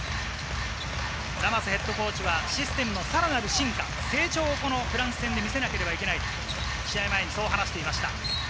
ラマスヘッドコーチはシステムのさらなる進化、それをこのフランス戦では見せなきゃいけないと試合前に話していました。